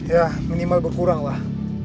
ya minimal berkurang lah